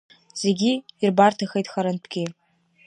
Зегьы ирбарҭахеит харантәгьы.